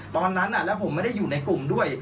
ตอนนั้นแล้วผมไม่ได้อยู่ในกลุ่มด้วย